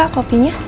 ini pak kopinya